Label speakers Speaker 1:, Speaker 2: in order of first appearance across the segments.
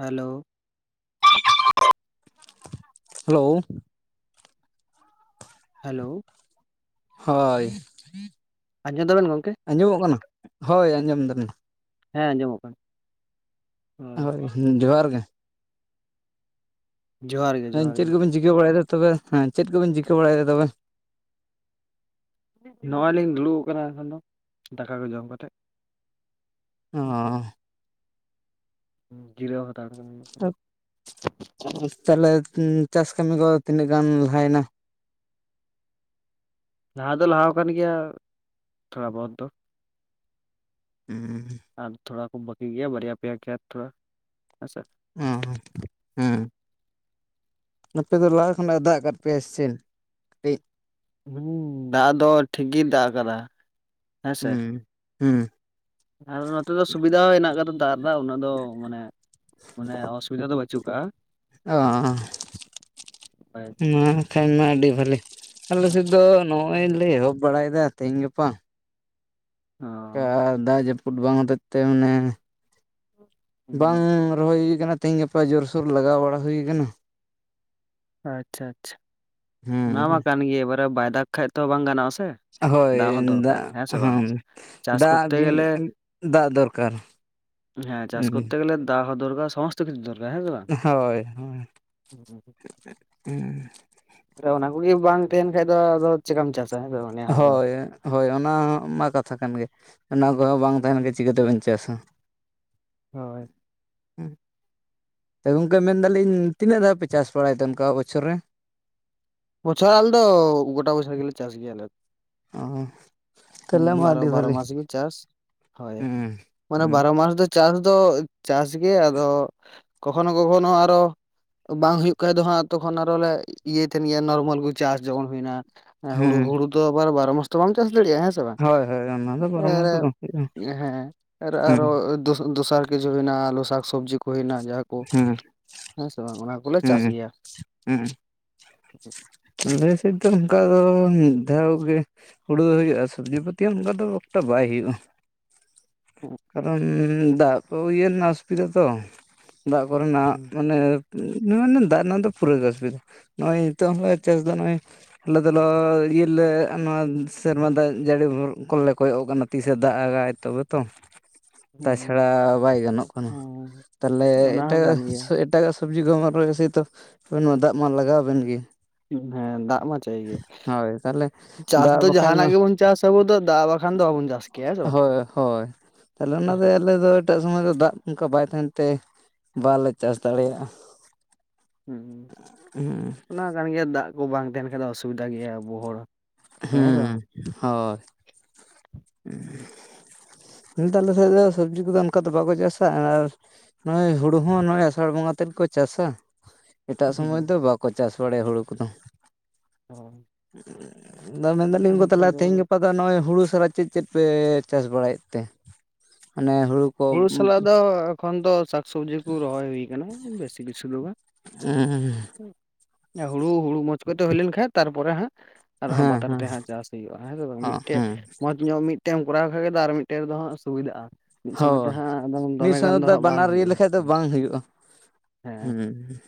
Speaker 1: Hello
Speaker 2: hello
Speaker 1: hello
Speaker 2: ᱦᱳᱭ
Speaker 1: ᱟᱡᱚᱢ ᱫᱟᱵᱮᱱ ᱜᱚᱝᱠᱮ?
Speaker 2: ᱟᱡᱚᱢᱚᱜ ᱠᱟᱱᱟ? ᱦᱳᱭ ᱟᱡᱚᱢ ᱫᱟᱞᱤᱧ ᱾
Speaker 1: ᱦᱮᱸ ᱟᱡᱚᱢᱚᱜ ᱠᱟᱱᱟ
Speaker 2: ᱦᱳᱭ ᱡᱚᱦᱟᱨ ᱜᱮ᱾
Speaker 1: ᱡᱚᱦᱟᱨ ᱜᱮ
Speaker 2: ᱞᱮᱫᱤᱧ
Speaker 1: ᱡᱚᱦᱟᱨ
Speaker 2: ᱪᱮᱫ
Speaker 1: ᱜᱮ
Speaker 2: ᱠᱚᱵᱤᱱ ᱪᱤᱠᱟᱹ ᱵᱟᱲᱟᱭᱫᱟ ᱛᱚᱵᱮ ᱦᱮᱸ ᱪᱮᱫ ᱠᱚᱵᱮᱱ ᱪᱤᱤᱠᱟᱹ ᱵᱟᱲᱟᱭᱫᱟ ᱛᱚᱵᱮ?
Speaker 1: ᱱᱚᱜᱼᱚᱭ ᱞᱤᱧ ᱫᱩᱲᱩᱵ ᱠᱟᱱᱟ ᱫᱟᱠᱟ ᱠᱚ ᱡᱚᱢ ᱠᱟᱛᱮᱜ
Speaker 2: ᱚᱸ
Speaker 1: ᱡᱤᱨᱟᱹᱣ ᱦᱟᱛᱟᱲ
Speaker 2: ᱛᱟᱦᱞᱮ ᱪᱟᱥ ᱠᱟᱹᱢᱤ ᱠᱚ ᱛᱤᱱᱟᱹᱜ ᱜᱟᱱ ᱞᱟᱦᱟᱭᱮᱱᱟ
Speaker 1: ᱞᱟᱦᱟ ᱫᱚ ᱞᱟᱦᱟᱣ ᱠᱟᱱ ᱜᱮᱭᱟ ᱛᱷᱚᱲᱟ ᱵᱚᱦᱚᱛ ᱫᱚ᱾
Speaker 2: ᱩᱸ
Speaker 1: ᱟᱨ ᱛᱷᱚᱲᱟ ᱠᱚ ᱵᱟ. ᱠᱤ ᱜᱮᱭᱟ ᱵᱟᱨᱭᱟ ᱯᱮᱭᱟ ᱠᱷᱮᱛ ᱫᱚ ᱦᱮᱸᱥᱮ
Speaker 2: ᱦᱩᱸ ᱦᱩᱸ, ᱦᱩᱸ ᱟᱯᱮ ᱫᱚ ᱞᱟᱦᱟ ᱠᱷᱚᱱᱟᱜ-ᱮ ᱫᱟᱜᱽ ᱠᱟᱫ ᱯᱮᱭᱟ ᱥᱮ ᱪᱮᱫ? ᱠᱟᱹᱴᱤᱡ
Speaker 1: ᱦᱩᱸ ᱫᱟᱜ ᱫᱚ ᱴᱷᱤᱠ ᱜᱮᱭ ᱫᱟᱜ ᱟᱠᱟᱫᱟ ᱦᱮᱸ ᱥᱮ᱾
Speaker 2: ᱦᱩᱸ ᱦᱩᱸ᱾
Speaker 1: ᱟᱞᱮ ᱱᱚᱛᱮ ᱫᱚ ᱥᱩᱵᱤᱫᱷᱟ ᱦᱚᱸ ᱦᱮᱱᱟᱜ ᱟᱠᱟᱫᱟ᱾ ᱫᱟᱜ ᱨᱮᱫᱟᱜ ᱩᱱᱟᱹᱜ ᱫᱚ ᱢᱟᱱᱮ, ᱢᱟᱱᱮ ᱚᱥᱩᱵᱤᱫᱟ ᱫᱚ ᱵᱟᱹᱪᱩᱜ ᱟᱠᱟᱜ-ᱟ᱾
Speaker 2: ᱚ
Speaker 1: ᱚ
Speaker 2: ᱦᱩᱸ᱾ ᱠᱷᱟᱱ ᱢᱟ ᱟᱹᱰᱤ ᱵᱟᱹᱞᱤ᱾ ᱟᱞᱮ ᱥᱮᱫ ᱫᱚ ᱱᱚᱜ-ᱚᱭᱞᱮ ᱮᱦᱚᱵ ᱵᱟᱲᱟᱭᱮᱫᱟ ᱛᱮᱦᱮᱧ ᱜᱟᱯᱟ᱾ ᱛᱚ ᱢᱟᱱᱮ, ᱵᱟᱝ ᱨᱚᱦᱚᱭ ᱦᱩᱭ ᱠᱟᱱᱟ᱾ ᱛᱮᱦᱮᱧ ᱜᱟᱯᱟ ᱡᱳᱨᱥᱳᱨ ᱞᱟᱜᱟᱣ ᱵᱟᱲᱟ ᱦᱩᱭ ᱠᱟᱱᱟ᱾
Speaker 1: ᱟᱪᱪᱷᱟ ᱟᱪᱪᱷᱟ, ᱚᱱᱟ ᱢᱟ
Speaker 2: ᱦᱮᱸ
Speaker 1: ᱠᱟᱱ ᱜᱮ ᱮᱵᱟᱨᱮ ᱵᱟᱭ ᱫᱟᱜ ᱠᱷᱟᱱ ᱛᱚ ᱵᱟᱝ ᱜᱟᱱᱚᱜ-ᱟ ᱥᱮ᱾
Speaker 2: ᱦᱳᱭ
Speaker 1: ᱦᱚᱸ ᱫᱚᱨᱠᱟᱨ
Speaker 2: ᱫᱟᱜ
Speaker 1: ᱦᱮᱸ ᱥᱮ ᱵᱟᱝ
Speaker 2: ᱦᱚᱸ
Speaker 1: ᱪᱟᱥ
Speaker 2: ᱫᱟᱜ
Speaker 1: ᱠᱚᱨᱛᱮ
Speaker 2: ᱫᱤᱱ
Speaker 1: ᱜᱮᱞᱮ
Speaker 2: ᱫᱟᱜ ᱫᱚᱨᱠᱟᱨ᱾
Speaker 1: ᱦᱮᱸ ᱪᱟᱥ
Speaker 2: ᱦᱩᱸ
Speaker 1: ᱠᱚᱛᱛᱮ ᱜᱮᱞᱮ ᱫᱟᱜ ᱦᱚᱸ ᱫᱚᱨᱠᱟᱨ ᱥᱟᱦᱚᱸᱥ ᱠᱤᱪᱷᱩ ᱫᱚᱨᱟᱨ ᱦᱮᱸ ᱥᱮ ᱵᱟᱝ?
Speaker 2: ᱦᱳᱭ ᱦᱳᱭ ᱦᱩᱸ᱾
Speaker 1: ᱛᱚ, ᱚᱱᱟ ᱠᱩᱜᱮ ᱵᱟᱝ ᱛᱟᱦᱮᱱ ᱠᱷᱟᱡ ᱫᱚ ᱟᱫᱚ ᱪᱮᱠᱟᱢ ᱪᱟᱥᱟ ᱦᱮᱸ ᱥᱮ? ᱵᱟᱝ ᱱᱤᱭᱟᱹ ᱦᱟᱯ ᱫᱚ
Speaker 2: ᱦᱳᱭ ᱦᱳᱭ, ᱚᱱᱟ ᱢᱟ ᱠᱟᱛᱷᱟ ᱠᱟᱱ ᱜᱮ᱾ ᱚᱱᱟ ᱠᱚᱦᱚᱸ ᱵᱟᱝ ᱛᱟᱦᱮᱱ ᱠᱷᱟᱡ
Speaker 1: ᱦᱩᱸ
Speaker 2: ᱪᱤᱠᱟᱹ ᱛᱮᱵᱮᱱ ᱪᱟᱥᱟ?
Speaker 1: ᱦᱳᱭ᱾
Speaker 2: ᱦᱮᱸ ᱜᱚᱝᱠᱮ ᱢᱮᱱᱫᱟᱞᱤᱧ ᱛᱤᱱᱟᱹᱜ ᱫᱷᱟᱣ ᱯᱮ ᱪᱟᱥ ᱵᱟᱲᱟᱭ ᱛᱮ ᱚᱱᱠᱟ ᱵᱚᱪᱷᱚᱨ ᱨᱮ?
Speaker 1: ᱵᱚᱪᱷᱚᱨ ᱟᱞᱮᱫᱚ ᱜᱚᱴᱟ ᱵᱚᱪᱷᱚᱨ ᱜᱮᱞᱮ ᱪᱟᱥ ᱜᱮᱭᱟᱞᱮ᱾
Speaker 2: ᱚ᱾
Speaker 1: ᱦᱩᱸ
Speaker 2: ᱛᱟᱦᱚᱞᱮ ᱢᱟ
Speaker 1: ᱵᱟᱨᱚ
Speaker 2: ᱟᱹᱰᱤ
Speaker 1: ᱵᱟᱨᱚ
Speaker 2: ᱵᱷᱟᱹᱞᱤ
Speaker 1: ᱢᱟᱥ ᱜᱮ ᱪᱟᱥ ᱦᱳᱭ᱾
Speaker 2: ᱦᱩᱸ
Speaker 1: ᱢᱟᱱᱮ
Speaker 2: ᱦᱩᱸ
Speaker 1: ᱵᱟᱨᱚ ᱢᱟᱥ ᱫᱚ ᱪᱟᱥ ᱫᱚ ᱪᱟᱥ ᱜᱮ, ᱟᱫᱚ ᱠᱚᱠᱷᱚᱱᱳ ᱠᱚᱠᱷᱚᱱᱳ ᱟᱨᱚ ᱵᱟᱝ ᱦᱩᱭᱩᱜ ᱠᱷᱟᱡ ᱫᱚ ᱦᱟᱸᱜ ᱛᱚᱠᱷᱚᱱ ᱟᱨᱚᱞᱮ ᱤᱭᱟᱹ ᱛᱮᱱ ᱜᱮᱭᱟ ᱱᱚᱨᱢᱟᱞ ᱜᱩ ᱪᱟᱥ ᱡᱚᱠᱷᱚᱱ ᱦᱩᱭᱱᱟ ᱮᱸ ᱦᱩᱲᱩ,
Speaker 2: ᱦᱩᱸ
Speaker 1: ᱦᱩᱲᱩ ᱛᱚ ᱟᱵᱟᱨ ᱵᱟᱨᱚ ᱢᱟᱥ ᱛᱚ ᱵᱟᱢ ᱪᱟᱥ ᱫᱟᱲᱮᱭᱟᱜ-ᱟ ᱦᱮᱸ᱾ ᱥᱮ ᱵᱟᱝ
Speaker 2: ᱦᱳᱭ ᱦᱳᱭ ᱚᱱᱟ ᱫᱚ ᱵᱟᱨᱚ ᱢᱟᱥ ᱫᱚ ᱵᱟᱝ ᱦᱩᱭᱩᱜᱼᱟ
Speaker 1: [unintelligible] ᱦᱮᱸ ᱟᱨ
Speaker 2: ᱦᱩᱸ
Speaker 1: ᱟᱨᱚ ᱫᱚᱥ ᱫᱚᱥᱟᱨ ᱠᱤᱪᱷᱩ ᱦᱩᱭᱱᱟ ᱟᱞᱩ ᱥᱟᱠᱥᱚᱵᱽᱡᱤ ᱠᱩ ᱦᱩᱭᱮᱱᱟ ᱡᱟᱦᱟᱸ ᱠᱚ
Speaker 2: ᱦᱩᱸ
Speaker 1: ᱦᱮᱸ ᱥᱮ ᱵᱟᱝ ᱚᱱᱟ ᱠᱚᱞᱮ ᱪᱟᱥ
Speaker 2: ᱦᱩᱸ
Speaker 1: ᱜᱮᱭᱟ᱾
Speaker 2: ᱦᱩᱸ᱾
Speaker 1: [inaudible]
Speaker 2: ᱟᱞᱮ ᱥᱮᱜ ᱫᱚ ᱚᱝᱠᱟᱫᱚ ᱢᱤᱜ ᱫᱷᱟᱣ ᱜᱮ᱾ ᱦᱩᱲᱩ ᱨᱚᱦᱚᱭ ᱦᱩᱭᱩᱜ-ᱟ ᱥᱚᱵᱽᱡᱤ ᱯᱟᱹᱛᱤ ᱦᱚᱸ ᱚᱱᱠᱟ ᱫᱚ ᱮᱠᱴᱟ ᱵᱟᱭ ᱦᱩᱭᱩᱜ-ᱟ᱾ ᱠᱟᱨᱚᱱ ᱫᱟᱜ ᱠᱚ ᱤᱭᱟᱹ ᱞᱮᱱᱟ ᱚᱥᱩᱵᱤᱫᱟ ᱛᱚ᱾ ᱫᱟᱜ ᱠᱚᱨᱮᱱᱟᱜ ᱢᱟᱱᱮ, ᱚᱱᱮ ᱢᱟᱱᱮ ᱫᱟᱜ ᱨᱮᱱᱟᱜ ᱫᱚ ᱯᱩᱨᱟᱹ ᱜᱮ ᱚᱥᱩᱵᱤᱫᱟ᱾ ᱱᱚᱜ-ᱚᱭ ᱱᱤᱛᱳᱝ ᱦᱚᱸ ᱪᱟᱥ ᱫᱚ ᱱᱚᱜ-ᱚᱭ ᱟᱞᱮ ᱫᱚᱞᱚ ᱤᱭᱟᱹ ᱨᱮᱞᱮ ᱱᱚᱣᱟ ᱥᱮᱨᱢᱟ ᱫᱟᱜ ᱡᱟᱹᱲᱤ ᱵᱷᱳᱨ ᱠᱚᱞᱮ ᱠᱚᱭᱚᱜ ᱠᱟᱱᱟ᱾ ᱛᱤᱥᱮ ᱫᱟᱜ ᱟᱜᱟᱭ ᱛᱚᱵᱮ ᱛᱚ᱾
Speaker 1: ᱦᱮᱸ
Speaker 2: ᱛᱟᱪᱷᱟᱲᱟ ᱵᱟᱭ ᱜᱟᱱᱚᱜ ᱠᱟᱱᱟ, ᱛᱟᱦᱞᱮ
Speaker 1: ᱚᱱᱟ ᱦᱚᱸ
Speaker 2: ᱮᱴᱟᱜ ᱜᱟᱜ
Speaker 1: ᱠᱟᱱ ᱜᱮᱭᱟ
Speaker 2: ᱥᱮᱫ᱾ ᱮᱴᱟᱜᱟᱜ ᱥᱚᱵᱽᱡᱤ ᱠᱚᱦᱚᱸ ᱵᱮᱱ ᱨᱚᱦᱚᱭᱟ ᱥᱮᱹᱭᱛᱚ ᱟᱵᱮᱱ ᱢᱟ ᱫᱟᱜ ᱢᱟ ᱞᱟᱜᱟᱣᱵᱮᱱ ᱜᱮᱭᱟ᱾
Speaker 1: ᱦᱮᱸ ᱫᱟᱜ ᱢᱟ ᱪᱟᱹᱭ ᱜᱮ,
Speaker 2: ᱦᱳᱭ ᱛᱟᱦᱚᱞᱮ
Speaker 1: ᱪᱟᱥ
Speaker 2: ᱫᱟᱜ
Speaker 1: ᱫᱚ
Speaker 2: ᱵᱟᱠᱷᱟᱡ ᱢᱟ
Speaker 1: ᱡᱟᱦᱟᱱᱟᱜ ᱜᱮᱵᱚᱱ ᱪᱟᱥ ᱟᱵᱚ ᱫᱚ ᱫᱟᱜ ᱵᱟᱠᱷᱟᱱ ᱫᱚ ᱵᱟᱵᱚᱱ ᱪᱟᱥ ᱠᱮᱭᱟ ᱦᱮᱸ ᱥᱮ ᱵᱟᱝ
Speaker 2: ᱦᱳᱭ ᱦᱳᱭ, ᱛᱟᱦᱞᱮ ᱚᱱᱟᱱ ᱫᱚ ᱟᱞᱮ ᱫᱚ ᱮᱴᱟᱜ ᱥᱚᱢᱚᱭ ᱫᱚ ᱫᱟᱜ ᱚᱝᱠᱟ ᱵᱟᱭ ᱛᱟᱦᱮᱱᱛᱮ, ᱵᱟᱞᱮ ᱪᱟᱥ ᱫᱟᱲᱮᱭᱟᱜ-ᱟ᱾
Speaker 1: ᱦᱩᱸ
Speaker 2: ᱦᱩᱸ᱾
Speaker 1: ᱚᱱᱟ ᱠᱟᱱ ᱜᱮᱭᱟ ᱫᱟᱜ ᱠᱚ ᱵᱟᱝ ᱛᱟᱦᱮᱱ ᱠᱷᱟᱡ ᱫᱚ ᱚᱥᱩᱵᱤᱫᱟ ᱜᱮᱭᱟ ᱟᱵᱚ ᱦᱚᱲ᱾ ᱦᱮᱸ ᱥᱮ
Speaker 2: ᱦᱩᱸ ᱦᱳᱭ, ᱩᱸ᱾ ᱱᱚᱛᱮ ᱟᱞᱮ ᱥᱮᱜ ᱫᱚ ᱥᱚᱵᱽᱡᱤ ᱠᱚᱫᱚ ᱚᱱᱠᱟ ᱫᱚ ᱵᱟᱠᱚ ᱪᱟᱥᱟ ᱟᱨ ᱱᱚᱜᱼᱚᱭ ᱦᱩᱲᱩ ᱦᱚᱸ ᱱᱚᱜᱼᱚᱭ ᱟᱥᱟᱲ ᱵᱚᱸᱜᱟ ᱛᱮᱫ ᱠᱚ ᱪᱟᱥᱟ᱾ ᱮᱴᱟᱜ ᱥᱚᱢᱚᱭ ᱫᱚ ᱵᱟᱠᱚ ᱪᱟᱥ ᱵᱟᱲᱟᱭᱟ ᱦᱩᱲᱩ ᱠᱚᱫᱚ᱾
Speaker 1: ᱚᱻ᱾
Speaker 2: ᱟᱫᱚ ᱢᱮᱱᱫᱟᱞᱤᱧ [unintelligible] ᱛᱟᱦᱚᱞᱮ ᱛᱮᱦᱮᱧ
Speaker 1: ᱵᱟᱝ
Speaker 2: ᱜᱟᱯᱟ ᱫᱚ ᱱᱚᱜᱼᱚᱭ ᱦᱩᱲᱩ ᱥᱟᱨᱟ ᱪᱮᱫ ᱪᱮᱫ ᱯᱮ ᱪᱟᱥ ᱵᱟᱲᱟᱭᱮᱫ ᱛᱮ, ᱢᱟᱱᱮ ᱦᱩᱲᱩ ᱠᱚ
Speaker 1: ᱦᱩᱲᱩ ᱥᱟᱞᱟᱜ ᱫᱚ ᱮᱠᱷᱚᱱ ᱫᱚ ᱥᱟᱠ-ᱥᱚᱵᱽᱡᱤ ᱠᱚ ᱨᱚᱦᱚᱭ ᱦᱩᱭ ᱠᱟᱱᱟ ᱵᱮᱥᱤ ᱠᱤᱪᱷᱩ ᱫᱚ ᱵᱟᱝ᱾
Speaker 2: [unintelligible]
Speaker 1: ᱦᱩᱲᱩ ᱦᱩᱲᱩ ᱢᱚᱡᱽ ᱠᱚᱡ ᱛᱮ ᱦᱩᱭ ᱞᱮᱱᱠᱷᱟᱡ ᱛᱟᱨᱯᱚᱨᱮ ᱦᱟᱸᱜ ᱟᱨᱦᱚᱸ
Speaker 2: ᱦᱮᱸ
Speaker 1: ᱵᱟᱛᱟᱨ ᱛᱮ ᱦᱟᱸᱜ ᱪᱟᱥ ᱦᱩᱭᱩᱜᱼᱟ ᱦᱮᱸᱥᱮ ᱵᱟᱝ, ᱢᱤᱜᱴᱮᱡ
Speaker 2: ᱦᱮᱸ
Speaker 1: ᱢᱚᱸᱡᱽ ᱧᱚᱜ ᱢᱤᱜᱴᱮᱜ ᱮᱢ ᱠᱚᱨᱟᱣ ᱠᱷᱟᱜ ᱜᱮᱫᱚ ᱟᱨ ᱢᱤᱜᱴᱮᱡ ᱨᱮᱫᱚ ᱦᱟᱸᱜ ᱥᱩᱵᱤᱫᱟᱜᱼᱟ᱾
Speaker 2: ᱦᱳᱭ, ᱢᱤᱜ ᱥᱟᱶ ᱛᱮ
Speaker 1: ᱵᱟᱝ
Speaker 2: ᱵᱟᱱᱟᱨ ᱤᱭᱟᱹ
Speaker 1: ᱦᱩᱭᱩᱜᱼᱟ
Speaker 2: ᱞᱮᱠᱷᱟᱡ ᱫᱚ ᱵᱟᱝ ᱦᱩᱭᱩᱜᱼᱟ᱾
Speaker 1: ᱦᱮᱸ
Speaker 2: ᱦᱩᱸ᱾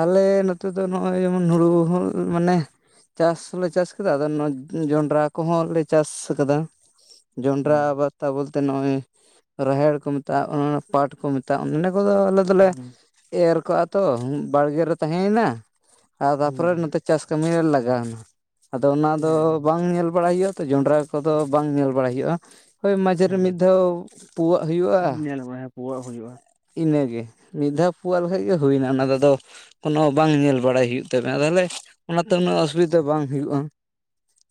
Speaker 2: ᱟᱞᱮ ᱱᱚᱛᱮ ᱫᱚ ᱱᱚᱜᱼᱚᱭ ᱡᱮᱢᱚᱱ ᱦᱩᱲᱩ ᱦᱚᱸ ᱢᱟᱱᱮ ᱪᱟᱥ ᱦᱚᱸᱞᱮ ᱪᱟᱥ ᱠᱟᱫᱟ ᱟᱫᱚ ᱡᱚᱱᱰᱨᱟ ᱠᱚ ᱦᱚᱸ ᱞᱮ ᱪᱟᱥ ᱟᱠᱟᱫᱟ᱾ ᱡᱚᱱᱰᱨᱟ
Speaker 1: ᱦᱩᱸ
Speaker 2: [unintelligible] ᱛᱮ ᱱᱚᱜᱼᱚᱭ, ᱨᱟᱦᱮᱲ ᱠᱚ ᱢᱮᱛᱟᱜᱼᱟ ᱟᱸ ᱯᱟᱴ ᱠᱚ ᱢᱮᱛᱟᱜᱼᱟ ᱚᱱᱟ ᱠᱚᱫᱚ ᱟᱞᱮ ᱫᱚᱞᱮ
Speaker 1: ᱦᱩᱸ
Speaker 2: ᱮᱨ ᱠᱚᱜᱼᱟ ᱛᱚ ᱵᱟᱲᱜᱮ ᱨᱮ ᱛᱟᱦᱮᱸᱭᱮᱱᱟ ᱟᱨ
Speaker 1: ᱦᱩᱸ
Speaker 2: ᱛᱟᱯᱚᱨᱮ
Speaker 1: ᱦᱩᱸ
Speaker 2: ᱱᱚᱛᱮ ᱪᱟᱥ ᱠᱟᱹᱢᱤ ᱨᱮ ᱞᱟᱜᱟᱣᱭᱮᱱᱟ, ᱟᱫᱚ ᱚᱱᱟ ᱫᱚ
Speaker 1: ᱦᱮᱸ
Speaker 2: ᱵᱟᱝ ᱧᱮᱞ ᱵᱟᱲᱟᱭ ᱦᱩᱭᱩᱜᱼᱟ ᱛᱚ ᱡᱚᱱᱰᱨᱟ ᱠᱚᱫᱚ ᱵᱟᱝ ᱧᱮᱞ ᱵᱟᱲᱟᱭ ᱦᱩᱭᱩᱜᱼᱟ, ᱦᱳᱭ ᱢᱟ ᱨᱮ ᱢᱤᱫ ᱫᱷᱟᱣ ᱯᱩᱜᱟᱹᱜ
Speaker 1: ᱦᱮᱸ
Speaker 2: ᱦᱩᱭᱩᱜᱼᱟ,
Speaker 1: ᱧᱮᱞ ᱵᱟᱲᱟ ᱯᱩᱣᱟᱜ ᱦᱩᱭᱩᱜᱼᱟ
Speaker 2: ᱤᱱᱟᱹ ᱜᱮ᱾ ᱢᱤᱫ ᱫᱷᱟᱣ ᱯᱩᱜᱟᱜ-ᱟ ᱞᱮᱠᱷᱟᱡ ᱜᱮ
Speaker 1: ᱦᱩᱸ
Speaker 2: ᱦᱩᱭᱱᱟ ᱚᱱᱟ ᱫᱚ, ᱟᱫᱚ ᱠᱳᱱᱳ ᱵᱟᱝ ᱧᱮᱞ ᱵᱟᱲᱟᱭ ᱦᱩᱭᱩᱜ ᱛᱟᱵᱮᱱᱟ ᱛᱟᱦᱚᱞᱮ, ᱚᱱᱟ ᱛᱮ ᱩᱱᱟᱹᱜ ᱚᱥᱩᱵᱤᱫᱟ ᱵᱟᱝ ᱦᱩᱭᱩᱜᱼᱟ᱾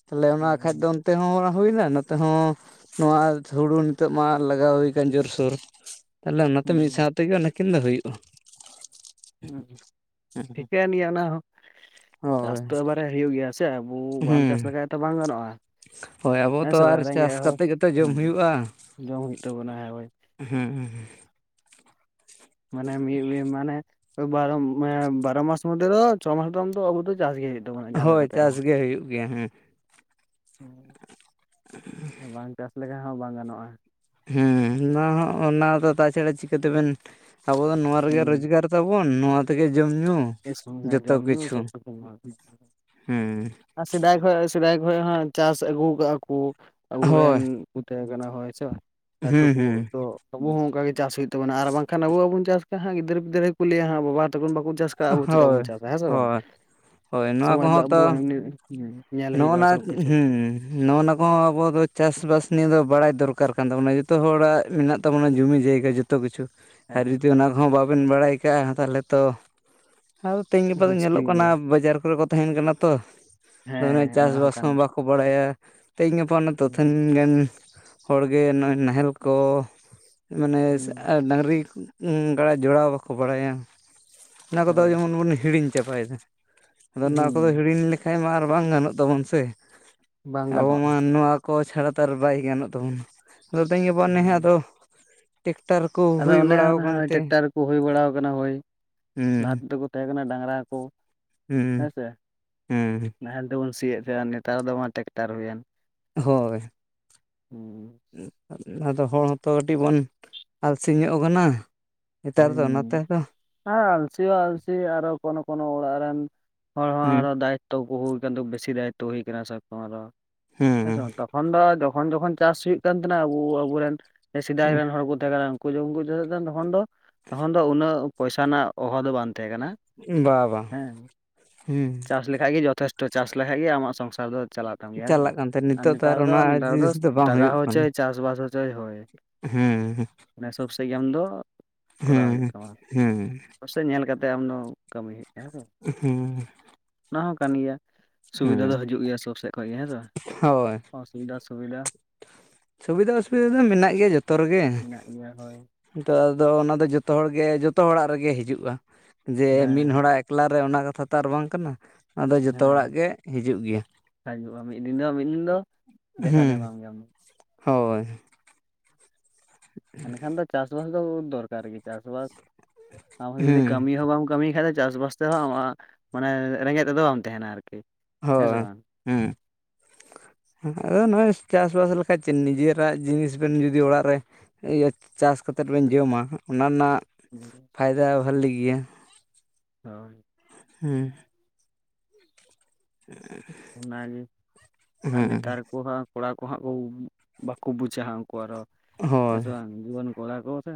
Speaker 2: ᱛᱟᱦᱚᱞᱮ ᱚᱱᱟ ᱠᱷᱟᱡ
Speaker 1: ᱦᱩᱸ
Speaker 2: ᱫᱚ ᱚᱱᱛᱮ ᱦᱚᱸ ᱦᱩᱭᱱᱟ ᱱᱚᱛᱮ ᱦᱚᱸ ᱱᱚᱣᱟ ᱦᱩᱲᱩ ᱱᱤᱛᱳᱜ ᱢᱟ ᱞᱟᱜᱟᱣ ᱦᱩᱭ ᱠᱟᱱ ᱡᱳᱨ-ᱥᱳᱨ, ᱛᱟᱦᱚᱞᱮ ᱚᱱᱟᱛᱮ ᱢᱤᱫ ᱥᱟᱶ ᱛᱮᱜᱮ ᱚᱱᱮ ᱠᱤᱱ ᱫᱚ ᱦᱩᱭᱩᱜᱼᱟ᱾
Speaker 1: ᱦᱩᱸ, ᱴᱷᱤᱠᱟᱹᱭᱮᱱ ᱜᱮᱭᱟ ᱚᱱᱟ ᱦᱚᱸ᱾ ᱪᱟᱥ
Speaker 2: ᱦᱳᱭ
Speaker 1: ᱛᱚ ᱮᱵᱟᱨᱮ ᱦᱩᱭᱩᱜ ᱜᱮᱭᱟ ᱥᱮ ᱟᱵᱚ ᱵᱟᱢ ᱪᱟᱥ
Speaker 2: ᱦᱩᱸ
Speaker 1: ᱞᱮᱠᱷᱟᱡ ᱛᱚ ᱵᱟᱝ ᱜᱟᱱᱚᱜᱼᱟ᱾
Speaker 2: ᱦᱳᱭ ᱟᱵᱚ ᱦᱚᱸ
Speaker 1: ᱦᱮᱸ
Speaker 2: ᱛᱚ
Speaker 1: ᱥᱮ
Speaker 2: ᱟᱨ
Speaker 1: ᱵᱟᱝ
Speaker 2: ᱪᱟᱥ
Speaker 1: ᱨᱮᱸᱜᱮᱡ ᱦᱚᱲ
Speaker 2: ᱠᱟᱛᱮᱫ ᱜᱮᱛᱚ ᱡᱚᱢ
Speaker 1: ᱦᱩᱸ
Speaker 2: ᱦᱩᱭᱩᱜᱼᱟ᱾
Speaker 1: ᱡᱚᱢ ᱦᱩᱭᱩᱜ ᱛᱟᱵᱚᱱᱟ ᱦᱳᱭ
Speaker 2: ᱦᱩᱸᱻ᱾
Speaker 1: ᱢᱟᱱᱮ ᱢᱤᱜ ᱢᱤᱜ ᱢᱟᱱᱮ ᱵᱟᱨᱚ ᱢᱮ ᱵᱟᱨᱚ ᱢᱟᱥ ᱢᱚᱫᱫᱷᱮ ᱫᱚ ᱪᱷᱚ ᱢᱟᱥ ᱫᱚ ᱚᱱᱛᱚ ᱚᱵᱚ ᱫᱚ ᱪᱟᱥ ᱜᱮ ᱦᱩᱭᱩᱜ ᱛᱟᱵᱚᱱᱟ
Speaker 2: ᱦᱳᱭ ᱪᱟᱥ ᱜᱮ ᱦᱩᱭᱩᱜ ᱜᱮᱭᱟ ᱦᱩᱸ᱾
Speaker 1: ᱦᱩᱸ, ᱟᱨ ᱵᱟᱝ ᱪᱟᱥ ᱞᱮᱠᱷᱟᱱ ᱦᱚᱸ ᱵᱟᱝ ᱜᱟᱱᱚᱜᱼᱟ᱾
Speaker 2: ᱦᱩᱸᱻ ᱚᱱᱟ ᱦᱚᱸ ᱚᱱᱟ ᱫᱚ ᱛᱟᱪᱷᱟᱲᱟ ᱪᱤᱠᱟᱹᱛᱮᱵᱮᱱ ᱟᱵᱚ ᱫᱚ ᱱᱚᱣᱟ ᱨᱮᱜᱮ ᱨᱚᱡᱽᱜᱟᱨ ᱛᱟᱵᱚᱱ ᱱᱚᱣᱟ ᱛᱮᱜᱮ ᱡᱚᱢ ᱧᱩ᱾
Speaker 1: [unintelligible]
Speaker 2: ᱡᱚᱛᱚ
Speaker 1: ᱡᱚᱢ ᱧᱩ
Speaker 2: ᱠᱤᱪᱷᱩ
Speaker 1: [unintelligible]
Speaker 2: ᱦᱩᱸ
Speaker 1: ᱟᱨ ᱥᱮᱫᱟᱭ ᱠᱷᱚᱡ ᱥᱮᱫᱟᱭ ᱠᱷᱚᱡ ᱦᱚᱸ ᱪᱟᱥ ᱟᱹᱜᱩ ᱠᱟᱜᱼᱟ ᱠᱚ ᱟᱵᱩ
Speaker 2: ᱦᱳᱭ
Speaker 1: ᱨᱮᱱ ᱤᱴᱟᱹ ᱠᱟᱱᱟ ᱦᱳᱭ ᱥᱮ ᱟᱨ
Speaker 2: ᱦᱩᱸ
Speaker 1: ᱴᱩᱠᱩ
Speaker 2: ᱦᱩᱸ
Speaker 1: ᱫᱚ ᱟᱵᱚ ᱦᱚᱸ ᱚᱝᱠᱟ ᱜᱮ ᱪᱟᱥ ᱦᱩᱭᱩᱜ ᱛᱟᱵᱚᱱᱟ ᱵᱟᱝᱠᱷᱟᱱ ᱟᱵᱚ ᱵᱟᱵᱩᱱ ᱪᱟᱥ ᱠᱷᱟᱱ ᱦᱟᱸᱜ ᱜᱤᱫᱟᱹᱨ ᱯᱤᱫᱟᱹᱨ ᱜᱮᱠᱚ ᱞᱟᱹᱭᱟ ᱦᱟᱸᱜ ᱵᱟᱵᱟ ᱛᱟᱠᱚᱱ ᱵᱟᱠᱚ [unintelligible] ᱟᱵᱚ ᱪᱮᱫᱟᱜ
Speaker 2: ᱦᱳᱭ
Speaker 1: ᱵᱚᱱ ᱪᱟᱥᱟ ᱦᱮᱸ ᱥᱮ ᱵᱟᱝ?
Speaker 2: ᱦᱳᱭ ᱦᱳᱭ ᱱᱚᱣᱟ
Speaker 1: ᱥᱚᱢᱟᱡᱽ ᱫᱚ
Speaker 2: ᱠᱚᱦᱚᱸ ᱛᱚ
Speaker 1: ᱟᱵᱚ ᱮᱢᱱᱤ [inaudible] ᱧᱮᱞ ᱦᱩᱭᱩᱜᱼᱟ ᱥᱚᱵ ᱠᱤᱪᱷᱩ᱾
Speaker 2: ᱱᱚᱜ ᱚᱱᱟ ᱠᱚᱦᱚᱸ ᱟᱵᱚ ᱫᱚ ᱪᱟᱥ ᱵᱟᱥ ᱱᱤᱭᱟᱹ ᱫᱚ ᱵᱟᱲᱟᱭ ᱫᱚᱨᱠᱟᱨ ᱠᱟᱱ ᱛᱟᱵᱚᱱᱟ, ᱡᱚᱛᱚ ᱦᱚᱲᱟᱜ ᱢᱮᱱᱟᱜ ᱛᱟᱵᱚᱱᱟ ᱡᱩᱢᱤ ᱡᱟᱭᱜᱟ ᱡᱚ ᱛᱚ ᱠᱤᱪᱷᱩ, ᱟᱨ
Speaker 1: ᱦᱮᱸ
Speaker 2: ᱡᱩᱫᱤ ᱚᱱᱟ ᱠᱚᱦᱚᱸ ᱵᱟᱵᱮᱱ ᱵᱟᱲᱟᱭ ᱠᱟᱜᱼᱟ ᱛᱟᱦᱚᱞᱮ ᱛᱚ [inaudible] ᱛᱮᱦᱮᱧ ᱜᱟᱯᱟ ᱫᱚ ᱧᱮᱞᱚᱜ
Speaker 1: ᱢᱩᱥᱠᱤᱞ
Speaker 2: ᱠᱟᱱᱟ
Speaker 1: ᱜᱮᱭᱟ
Speaker 2: ᱵᱟᱡᱟᱨ ᱠᱚᱨᱮ ᱠᱚ ᱛᱟᱦᱮᱸᱱ ᱠᱟᱱᱟ ᱛᱚ, ᱢᱟᱱᱮ
Speaker 1: ᱦᱮᱸ ᱚᱱᱟ
Speaker 2: ᱪᱟᱥᱵᱟᱥ
Speaker 1: ᱠᱟᱱ
Speaker 2: ᱦᱚᱸ ᱵᱟᱠᱚ ᱵᱟᱲᱟᱭᱟ ᱛᱮᱦᱮᱧ ᱜᱟᱯᱟ ᱚᱱᱮ ᱛᱚ
Speaker 1: ᱦᱩᱸ
Speaker 2: ᱛᱤᱱ ᱜᱟᱱ ᱦᱚᱲᱜᱮ ᱱᱚᱜᱼᱚᱸᱚᱭ ᱱᱟᱦᱮᱞ ᱠᱚ ᱢᱟᱱᱮ
Speaker 1: ᱦᱩᱸ
Speaker 2: ᱰᱟᱹᱟᱝᱨᱤ ᱜᱟᱲ ᱡᱚᱲᱟᱣ ᱵᱟᱠᱚ ᱵᱟᱲᱟᱭᱟ ᱚᱱᱟ ᱠᱚᱫᱚ
Speaker 1: ᱦᱳᱭ
Speaker 2: ᱡᱮᱢᱚᱱ ᱵᱚᱱ ᱦᱤᱲᱤᱧ ᱪᱟᱵᱟᱭᱮᱫᱟ ᱟᱫᱚ ᱱᱚᱣᱟ ᱠᱚᱫᱚ
Speaker 1: ᱦᱩᱸ
Speaker 2: ᱦᱤᱲᱤᱧ ᱞᱮᱠᱷᱟᱡ ᱢᱟ ᱟᱨ ᱵᱟᱝ ᱜᱟᱱᱚᱜ ᱛᱟᱵᱚᱱ ᱥᱮ
Speaker 1: ᱵᱟᱝ
Speaker 2: ᱟᱵᱚ
Speaker 1: ᱜᱟᱱᱚᱜᱼᱟ
Speaker 2: ᱢᱟ ᱱᱚᱣᱟ ᱠᱚ ᱪᱷᱟᱲᱟ ᱛᱚ ᱟᱨ ᱵᱟᱭ ᱜᱟᱱᱚᱜ ᱛᱟᱵᱚᱱᱟ ᱟᱫᱚ ᱛᱤᱧ ᱜᱟᱯ ᱱᱮᱸᱦᱚᱸ
Speaker 1: ᱦᱩᱸ
Speaker 2: ᱟᱫᱚ ᱴᱮᱠᱴᱟᱨ ᱠᱩ
Speaker 1: ᱟᱫᱚ ᱚᱱᱮ ᱱᱟᱳᱭ ᱴᱮᱠᱴᱟᱨᱠᱚ ᱦᱩᱭ ᱵᱟᱲᱟᱣ ᱟᱠᱟᱱᱟ ᱦᱳᱭ ᱞᱟᱦᱟ
Speaker 2: ᱦᱩᱸ
Speaker 1: ᱛᱮᱫᱚ ᱠᱚ ᱛᱟᱦᱮᱸ ᱠᱟᱱᱟ ᱰᱟᱝᱨᱟ ᱠᱩ
Speaker 2: ᱦᱩᱸ ᱦᱩᱸ
Speaker 1: ᱱᱟᱦᱮᱞ ᱛᱮᱵᱚᱱ ᱥᱤᱭᱮᱫ ᱛᱟᱦᱮᱜ-ᱟ ᱱᱮᱛᱟᱨ ᱫᱚ ᱵᱟᱝ ᱴᱮᱠᱴᱟᱨ ᱦᱩᱭᱮᱱ
Speaker 2: ᱦᱳᱭ
Speaker 1: [unintelligible]
Speaker 2: ᱟᱫᱚ ᱦᱚᱲ ᱦᱚᱸᱛᱚ ᱠᱟᱹᱴᱤᱡ ᱵᱚᱱ ᱟᱞᱥᱤ ᱧᱚᱜ ᱠᱟᱱᱟ ᱱᱮᱛᱟᱨ ᱫᱚ ᱱᱚᱛᱮ ᱛᱚ
Speaker 1: ᱦ ᱟᱞᱥᱤ ᱦᱚᱸ ᱟᱞᱥᱤ ᱟᱨᱚ ᱠᱚᱱᱚ ᱠᱱᱚ ᱚᱲᱟᱜ ᱨᱮᱱ ᱦᱚᱲ ᱦᱚᱸ
Speaker 2: ᱦᱩᱸ
Speaker 1: ᱟᱨᱚ ᱫᱟᱭ ᱛᱚ ᱜᱳᱦᱳᱭ ᱠᱟᱱ ᱛᱚ ᱵᱮᱥᱤ ᱫᱟᱭᱤᱛᱚ ᱦᱩᱭ ᱠᱟᱱᱟ ᱛᱚᱠᱷᱚᱱ ᱫᱚ
Speaker 2: ᱦᱩᱸ
Speaker 1: ᱡᱚᱠᱠᱷᱚᱱ ᱡᱚᱠᱠᱷᱚᱱ ᱪᱟᱥ ᱦᱩᱭᱩᱜ ᱠᱟᱱ ᱛᱟᱸᱦᱮᱱᱟ ᱟᱵᱚᱨᱮᱱ ᱥᱮᱫᱟᱭ ᱨᱮᱱ ᱦᱚᱲ ᱠᱚ ᱛᱟᱦᱮᱸ ᱠᱟᱱᱟ ᱠᱩ ᱡᱚᱢ ᱠᱩᱡᱟᱹᱣ ᱫᱟ ᱛᱚᱠᱠᱷᱚᱱ ᱫᱚ ᱛᱚᱠᱠᱷᱚᱱ ᱫᱚ ᱩᱱᱟᱹᱜ ᱯᱚᱭᱥᱟ ᱨᱮᱱᱟᱜ ᱚᱵᱷᱟᱯ ᱫᱚ ᱵᱟᱝ ᱛᱟᱸᱦᱮ ᱠᱟᱱᱟ
Speaker 2: ᱵᱟ ᱵᱟᱝ
Speaker 1: ᱦᱮᱸ
Speaker 2: ᱦᱩᱸ
Speaker 1: ᱪᱟᱥ ᱞᱮᱠᱷᱟᱡ ᱜᱮ ᱡᱚᱛᱛᱷᱚᱥᱴᱚ ᱪᱟᱥ ᱞᱮᱠᱷᱟᱡ ᱜᱮ ᱟᱢᱟᱜ ᱥᱚᱝᱥᱟᱨ ᱫᱚ ᱪᱟᱞᱟᱜ ᱛᱟᱢ ᱜᱮᱭᱟ ᱛᱚ
Speaker 2: ᱪᱟᱞᱟᱜ ᱠᱟᱱ ᱛᱟᱦᱮᱸᱫ
Speaker 1: ᱟᱨ
Speaker 2: ᱱᱤᱛᱚᱜ
Speaker 1: ᱱᱮᱛᱟᱨ ᱫᱚ
Speaker 2: ᱚᱱᱟ
Speaker 1: ᱱᱮᱛᱟᱨ ᱫᱚ
Speaker 2: ᱡᱤᱱᱤᱥ ᱵᱟᱝ
Speaker 1: ᱴᱟᱠᱟ ᱦᱚᱭᱪᱚᱭ ᱪᱟᱥᱵᱟᱥ ᱦᱚᱪᱚᱭ ᱦᱳᱭ
Speaker 2: ᱦᱩᱸᱻ
Speaker 1: ᱢᱟᱱᱮ ᱥᱚᱵᱽ ᱥᱟᱺᱦᱤᱡ ᱟᱢ ᱫᱚ ᱠᱚᱨᱟᱣ ᱦᱩᱭᱩᱜ ᱛᱟᱢᱟ
Speaker 2: ᱦᱩᱸ
Speaker 1: ᱥᱮ ᱧᱮᱞ ᱠᱟᱛᱮ ᱟᱢ ᱫᱚ ᱠᱟᱹᱢᱤ ᱦᱩᱭᱩᱜ ᱛᱟᱢᱟ ᱦᱮᱸᱥᱮ
Speaker 2: ᱦᱩᱸ
Speaker 1: ᱚᱱᱟ ᱦᱚᱸ ᱠᱟᱱ ᱜᱮᱭᱟ ᱥᱩᱵᱤᱫᱷᱟ
Speaker 2: ᱦᱩᱸ
Speaker 1: ᱫᱚ ᱦᱤᱡᱩᱜ ᱜᱮᱭᱟ ᱥᱩᱨ ᱥᱮᱫ ᱠᱷᱚᱡ ᱜᱮ ᱦᱮᱸ ᱥᱮ ᱵᱟ [unintelligible] ᱥᱩᱵᱤᱫᱷᱟ
Speaker 2: ᱥᱩᱵᱤᱫᱫᱷᱟ ᱚᱼᱥᱩᱵᱤᱫᱫᱷᱟ ᱫᱚ ᱢᱮᱱᱟᱜ ᱜᱮᱭᱟ ᱡᱚᱛᱚ ᱨᱮᱜᱮ
Speaker 1: ᱢᱮᱱᱟᱜ ᱜᱮᱭᱟ ᱦᱳᱭ
Speaker 2: ᱛᱳ ᱦᱤᱛᱚᱜ ᱟᱫᱚ ᱚᱱᱟ ᱫᱚ ᱡᱚᱛᱚ ᱦᱚᱲᱜᱮ ᱡᱚᱛᱚ ᱚᱲᱟᱜ ᱨᱮᱜᱮ ᱦᱤᱡᱩᱜᱼᱟ ᱡᱮ ᱢᱤᱫ
Speaker 1: ᱦᱮᱸ
Speaker 2: ᱦᱚᱲᱟᱜ ᱮᱠᱞᱟ ᱨᱮ ᱚᱱᱟ ᱠᱟᱛᱷᱟ ᱛᱚ ᱟᱨ ᱵᱟᱝ ᱠᱟᱱᱟ ᱟᱫᱚ ᱡᱚᱛᱚ
Speaker 1: ᱦᱮᱸ
Speaker 2: ᱦᱚᱲᱟᱜ ᱜᱮ ᱦᱤᱡᱩᱜ ᱜᱮᱭᱟ
Speaker 1: [unintelligible] ᱢᱤᱫ ᱫᱤᱱ ᱫᱚ ᱢᱤᱫ ᱫᱤᱱ ᱫᱚ ᱫᱮᱠᱷᱟ
Speaker 2: ᱦᱩᱸ
Speaker 1: ᱫᱚᱭ ᱮᱢᱟᱢ ᱜᱮᱭᱟ
Speaker 2: ᱦᱳᱭ
Speaker 1: ᱮᱱᱠᱷᱟᱱ ᱫᱚ ᱪᱟᱥᱵᱟᱥ ᱫᱚ ᱫᱚᱨᱠᱟᱨ ᱜᱮ ᱪᱟᱥᱵᱟᱥ ᱟᱵᱚ ᱡᱩᱫᱤ
Speaker 2: ᱦᱩᱸ
Speaker 1: ᱠᱟᱹᱢᱤ ᱦᱚᱸ ᱵᱟᱢ ᱠᱟᱹᱢᱤ ᱠᱷᱟᱡ ᱫᱚ ᱪᱟᱥᱵᱟᱥ [unintelligible] ᱢᱟᱱᱮ ᱨᱮᱸᱜᱮᱡ ᱛᱮᱫᱚ ᱵᱟᱢ ᱛᱟᱸᱦᱮᱱᱟ ᱟᱨᱠᱤ ᱦᱮᱸ ᱥᱮ ᱵᱟᱝ?
Speaker 2: ᱦᱮᱸ ᱟᱫᱚ ᱱᱚᱜᱼᱚᱭ ᱪᱟᱥᱵᱟᱥ ᱞᱮᱠᱠᱟᱡ ᱪᱮᱫ ᱱᱤᱡᱮᱨᱟᱜ ᱡᱤᱱᱤᱥ ᱵᱮᱱ ᱡᱩᱫᱤ ᱚᱲᱟᱜ ᱨᱮ ᱤᱭᱟᱹ ᱪᱟᱥ ᱠᱟᱛᱮᱫ ᱵᱮᱱ ᱡᱚᱢᱟ ᱚᱱᱟ ᱨᱮᱱᱟᱜ
Speaker 1: ᱦᱩᱸ
Speaker 2: ᱯᱷᱟᱭᱫᱟ ᱵᱷᱟᱞᱤ ᱜᱮᱭᱟ
Speaker 1: ᱦᱳᱭ
Speaker 2: ᱦᱮᱸ
Speaker 1: ᱚᱱᱟᱜᱮ ᱟᱨ
Speaker 2: ᱦᱩᱸ
Speaker 1: ᱱᱮᱛᱟᱨ ᱟᱠᱩ ᱦᱟᱸᱜ ᱠᱚᱲᱟ ᱠᱚ ᱦᱟᱸᱜ ᱠᱚ ᱵᱟᱠᱩ ᱵᱩᱡᱟ ᱩᱱᱠᱩ ᱟᱨᱦᱚᱸ ᱦᱮᱸ
Speaker 2: ᱦᱳᱭ
Speaker 1: ᱥᱮ ᱵᱟᱝ ᱡᱩᱣᱟᱹᱱ ᱠᱚᱲᱟ ᱠᱚ ᱥᱮ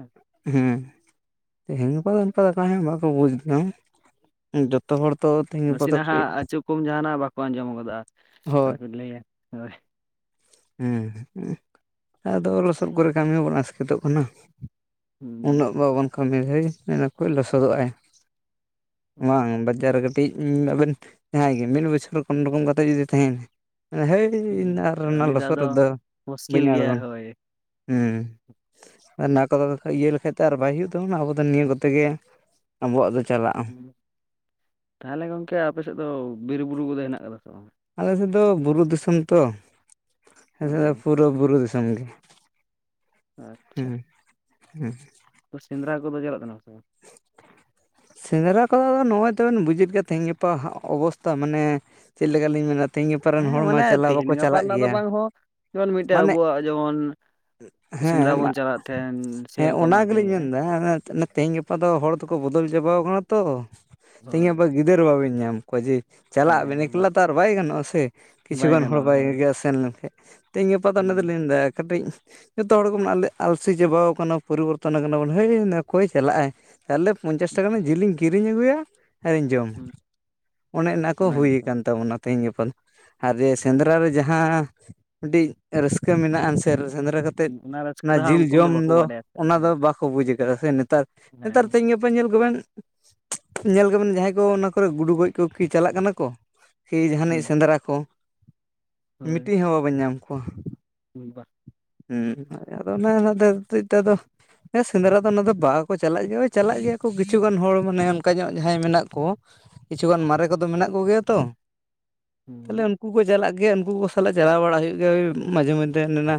Speaker 2: ᱦᱩᱸ ᱛᱮᱦᱮᱧ ᱜᱟᱯᱟ ᱫᱚ ᱚᱱᱠᱟ ᱚᱠᱚᱭ ᱦᱚ ᱵᱟᱠᱚ ᱵᱩᱡᱽ ᱠᱟᱫᱟ᱾ ᱫᱚ
Speaker 1: ᱱᱟᱥᱤᱱᱟᱜ
Speaker 2: ᱠᱟᱹᱴᱤᱡ
Speaker 1: ᱦᱟᱸᱜ ᱟᱹᱪᱩ ᱠᱚᱢ ᱡᱟᱦᱟᱱᱟᱜ ᱵᱟᱠᱚ ᱟᱸᱡᱚᱢ ᱜᱚᱫᱟ᱾
Speaker 2: ᱦᱳᱭ
Speaker 1: ᱟᱨᱠᱚ ᱞᱟᱹᱭᱟ [unintelligible]
Speaker 2: ᱦᱩᱸ ᱟᱫᱚ ᱞᱚᱥᱚᱫ ᱠᱚᱨᱮ ᱠᱟᱹᱢᱤ ᱦᱚᱸᱵᱚᱱ ᱟᱥᱠᱮᱛᱚᱜ ᱠᱟᱱᱟ᱾ ᱩᱱᱟᱹᱜ ᱵᱟᱵᱚᱱ ᱠᱟᱹᱢᱤ ᱦᱚᱭ ᱢᱮᱱᱟᱠᱚ ᱞᱚᱥᱟᱫᱚᱜᱟᱭ᱾ ᱵᱟᱝ ᱵᱟᱡ ᱡᱟᱨ ᱨᱮ ᱠᱟᱹᱴᱤᱡ ᱟᱵᱮᱱ ᱡᱟᱦᱟᱸᱭ ᱜᱮ ᱢᱤᱫ ᱵᱚᱪᱷᱚᱨ ᱠᱚᱱᱳ ᱨᱚᱠᱚᱢ ᱠᱟᱛᱮᱫ ᱡᱩᱫᱤᱭ ᱛᱟᱦᱮᱭᱱᱟ ᱢᱮᱱᱟᱭ ᱦᱟᱹᱭ ᱤᱧ ᱟᱨ ᱚᱱᱟ
Speaker 1: ᱩᱱᱤ ᱫᱚ
Speaker 2: ᱞᱚᱥᱚᱫ
Speaker 1: ᱟᱫᱚ
Speaker 2: ᱨᱮᱫᱚ
Speaker 1: ᱢᱩᱥᱠᱤᱞ
Speaker 2: ᱵᱟᱹᱧ
Speaker 1: ᱜᱮᱭᱟ
Speaker 2: ᱟᱬᱜᱚᱱᱟ
Speaker 1: ᱦᱳᱭ
Speaker 2: ᱦᱩᱸ᱾ ᱟᱨ ᱚᱱᱟ ᱠᱚᱫᱚ ᱤᱭᱟᱹ ᱞᱮᱠᱷᱟᱡ ᱛᱚ ᱟᱨ ᱵᱟᱭ ᱦᱩᱭᱩᱜ ᱛᱟᱵᱚᱱᱟ ᱟᱵᱚ ᱫᱚ ᱱᱤᱭᱟᱹ ᱠᱚᱛᱮ ᱜᱮ ᱟᱵᱚᱣᱟᱜ ᱫᱚ ᱪᱟᱞᱟᱜᱼᱟ
Speaker 1: ᱛᱟᱦᱚᱞᱮ ᱜᱚᱝᱠᱮ ᱟᱯᱮ ᱥᱮᱫ ᱫᱚ ᱵᱤᱨ ᱵᱩᱨᱩ ᱠᱚᱫᱚ ᱦᱮᱱᱟᱜ ᱠᱟᱫᱟ ᱥᱮ ᱵᱟᱝ?
Speaker 2: ᱟᱞᱮᱥᱮᱫ ᱫᱚ ᱵᱩᱨᱩ ᱫᱤᱥᱚᱢ ᱛᱚ᱾
Speaker 1: ᱚ
Speaker 2: [unintelligible] ᱯᱩᱨᱟᱹ ᱵᱩᱨᱩ ᱫᱤᱥᱚᱢ ᱜᱮ
Speaker 1: ᱟᱪᱪᱷᱟ
Speaker 2: ᱦᱩᱸ ᱦᱩᱸ᱾
Speaker 1: ᱛᱚ ᱥᱮᱸᱫᱽᱨᱟ ᱠᱚᱫᱚ ᱪᱟᱞᱟᱜ ᱠᱟᱱᱟᱢ ᱥᱮ ᱵᱟᱝ?
Speaker 2: [inaudible] ᱥᱮᱸᱫᱽᱨᱟ ᱠᱚᱫᱚ ᱱᱚᱜᱼᱚᱭ ᱛᱚᱵᱮᱱ ᱵᱩᱡᱮᱫ ᱜᱮᱭᱟ ᱛᱮᱦᱮᱧ ᱜᱟᱯᱟ ᱚᱵᱚᱥᱛᱟ ᱢᱟᱱᱮ ᱪᱮᱫ ᱞᱮᱠᱟᱞᱤᱧ ᱢᱮᱱᱟ ᱛᱮᱦᱮᱧ ᱜᱟᱯᱟ ᱨᱮᱱ
Speaker 1: ᱦᱮᱸ
Speaker 2: ᱦᱚᱲ ᱢᱟ
Speaker 1: ᱢᱟᱱᱮ
Speaker 2: ᱪᱟᱞᱟᱣ
Speaker 1: ᱛᱮᱦᱮᱧ
Speaker 2: ᱵᱟᱠᱚ
Speaker 1: ᱜᱟᱯᱟ
Speaker 2: ᱪᱟᱞᱟᱜ
Speaker 1: ᱨᱮᱱᱟᱜ ᱫᱚ
Speaker 2: ᱜᱮᱭᱟ,
Speaker 1: ᱵᱟᱝ ᱦᱚᱸ ᱡᱮᱢᱚᱱ ᱢᱤᱫᱴᱮᱡ
Speaker 2: ᱢᱟᱱᱮ
Speaker 1: ᱟᱵᱚᱣᱟᱜ ᱡᱮᱢᱚᱱ ᱥᱮᱸᱫᱽᱨᱟ
Speaker 2: ᱦᱮᱸ
Speaker 1: ᱵᱚᱱ ᱪᱟᱞᱟᱜ ᱛᱟᱦᱮᱱ
Speaker 2: ᱦᱮᱸ
Speaker 1: ᱥᱮᱨᱚᱠᱚᱢ
Speaker 2: ᱚᱱᱟ
Speaker 1: ᱟᱨᱠᱤᱧ
Speaker 2: ᱜᱮᱞᱤᱧ
Speaker 1: ᱞᱟᱹᱭᱮᱫᱼᱟ
Speaker 2: ᱢᱮᱱᱫᱟ᱾ ᱛᱮᱦᱤᱧ ᱜᱟᱯᱟ ᱫᱚ ᱦᱚᱲ ᱫᱚᱠᱚ ᱵᱚᱫᱚᱞ ᱪᱟᱵᱟᱣ ᱠᱟᱱᱟ ᱛᱚ ᱛᱮᱦᱮᱧ
Speaker 1: ᱦᱳᱭ
Speaker 2: ᱜᱟᱯᱟ ᱜᱤᱫᱟᱹᱨ ᱵᱟᱵᱮᱱ ᱧᱟᱢ ᱠᱚᱣᱟ ᱡᱮ ᱪᱟᱞᱟᱜ ᱟᱵᱮᱱ
Speaker 1: ᱦᱮᱸ ᱵᱟ-
Speaker 2: ᱮᱠᱞᱟ ᱛᱚ ᱟᱨ ᱵᱟᱭ ᱜᱟᱱᱚᱜᱼᱟ ᱥᱮ
Speaker 1: ᱵᱟᱭ
Speaker 2: ᱠᱤᱪᱷᱩᱜᱟᱱ ᱦᱚᱲ
Speaker 1: ᱜᱟᱱᱚᱜᱼᱟ ᱦᱳᱭ
Speaker 2: ᱵᱟᱭ ᱥᱮᱱ ᱞᱮᱱᱠᱷᱟᱱ᱾ ᱛᱮᱧ ᱜᱟᱯᱟᱛᱚ ᱚᱱᱟ
Speaker 1: ᱦᱩᱸ
Speaker 2: ᱛᱚᱞᱤᱧ ᱞᱟᱹᱭᱫᱟ ᱠᱟᱹᱴᱤᱡᱧ ᱡᱚᱛᱚ ᱦᱚᱲ ᱜᱮᱵᱚᱱ ᱟᱞᱮ ᱟᱞᱥᱤ ᱪᱟᱵᱟᱣ ᱟᱠᱟᱱᱟ ᱯᱚᱨᱤᱵᱚᱨᱛᱚᱱ ᱟᱠᱟᱱᱟ ᱵᱚᱱ ᱦᱮ ᱚᱠᱚᱭ ᱪᱟᱞᱟᱜᱼ ᱟᱭ᱾ ᱛᱟᱦᱞᱮ ᱯᱚᱧᱪᱟᱥ ᱴᱟᱠᱟ ᱨᱮᱱᱟ ᱡᱤᱞᱤᱧ ᱠᱤᱨᱤᱧ ᱟᱹᱜᱩᱭᱟ᱾ ᱟᱨᱤᱧ ᱡᱚᱢᱟ
Speaker 1: ᱦᱩᱸ
Speaker 2: ᱚᱱᱮ ᱚᱱᱟᱠᱚ
Speaker 1: ᱚᱱᱟ
Speaker 2: ᱦᱩᱭᱩ
Speaker 1: ᱜᱮᱛᱚ
Speaker 2: ᱟᱠᱟᱱ ᱛᱟᱵᱚᱱᱟ ᱛᱮᱦᱤᱧ ᱜᱟᱯᱟ ᱫᱚ᱾ ᱟᱨ ᱡᱮ
Speaker 1: ᱦᱩᱸ
Speaker 2: ᱥᱮᱸᱫᱽᱨᱟ ᱨᱮ ᱡᱟᱦᱟᱸ ᱢᱤᱴᱤᱡ ᱨᱟᱹᱥᱠᱟᱹ ᱢᱮᱱᱟᱜ ᱟᱱᱥᱮ ᱥᱮᱸᱫᱽᱨᱟ ᱠᱟᱛᱮ ᱛᱮᱫ
Speaker 1: ᱨᱟᱹᱥᱠᱟᱹ
Speaker 2: ᱚᱱᱟ
Speaker 1: ᱫᱚ ᱦᱟᱸᱜ
Speaker 2: ᱡᱤᱞ
Speaker 1: ᱩᱱᱠᱩ
Speaker 2: ᱡᱚᱢ
Speaker 1: ᱵᱟᱠᱚ
Speaker 2: ᱫᱚ
Speaker 1: ᱵᱟᱰᱟᱭᱟ ᱥᱮ
Speaker 2: ᱚᱱᱟ ᱫᱚ
Speaker 1: ᱦᱳᱭ
Speaker 2: ᱵᱟᱠᱚ ᱵᱩᱡᱽ ᱟᱠᱟᱫᱟᱼᱟ ᱥᱮ ᱱᱮᱛᱟᱨ
Speaker 1: ᱦᱮᱸ
Speaker 2: ᱱᱮᱛᱟᱨ ᱛᱮᱦᱮᱧ ᱜᱟᱯ ᱧᱮᱞ ᱠᱚᱵᱮᱱ ᱧᱮᱞ ᱠᱚᱵᱮᱱ ᱡᱟᱦᱟᱸᱭ ᱠᱚ ᱚᱱᱟ ᱠᱚᱨᱮ ᱜᱩᱰᱩ ᱜᱚᱡ ᱠᱚ ᱠᱤ ᱪᱟᱞᱟᱜ ᱠᱟᱱᱟ ᱠᱚ᱾ ᱠᱤ ᱡᱟᱦᱟᱱᱤᱡ
Speaker 1: ᱦᱩᱸ
Speaker 2: ᱥᱮᱸᱫᱽᱨᱟ ᱠᱚ
Speaker 1: ᱦᱳᱭ
Speaker 2: ᱢᱤᱫᱴᱤᱡ ᱦᱚᱸ ᱵᱟᱵᱚᱱ ᱧᱟᱢ ᱠᱚᱣᱟ᱾
Speaker 1: ᱵᱟ᱾
Speaker 2: ᱦᱩᱸ ᱟᱫᱚ ᱚᱱᱮ ᱚᱱᱟ ᱛᱮᱪ ᱫᱚ ᱥᱮᱸᱫᱽᱨᱟ ᱫᱚ ᱚᱱᱟ ᱫᱚ ᱵᱟᱠᱚ ᱪᱟᱞᱟᱜ ᱜᱮᱭᱟ ᱪᱟᱞᱟᱜ ᱜᱮᱭᱟ ᱠᱚ ᱠᱤᱪᱷᱩᱜᱟᱱ ᱦᱚᱲ ᱢᱟᱱᱮ ᱚᱱᱠᱟ ᱧᱚᱜ ᱡᱟᱦᱟᱸᱭ ᱢᱮᱱᱟᱜ ᱠᱚ᱾ ᱠᱤᱪᱷᱩᱜᱟᱱ ᱢᱟᱨᱮ ᱠᱚᱫᱚ ᱢᱮᱱᱟᱜ ᱠᱚᱜᱮᱭᱟ ᱛᱚ᱾ ᱛᱟᱦᱞᱮ
Speaker 1: ᱦᱩᱸ
Speaker 2: ᱩᱱᱠᱩ ᱠᱚ ᱪᱟᱞᱟᱜ ᱜᱮᱭᱟ ᱩᱱᱠᱩ ᱠᱚ ᱥᱟᱞᱟᱜ ᱪᱟᱞᱟᱣ ᱵᱟᱲᱟ ᱦᱩᱭᱩᱜ ᱜᱮᱭᱟ ᱢᱟᱡᱷᱮ ᱢᱚᱫᱽᱫᱷᱮᱱ ᱚᱱᱮᱱᱟ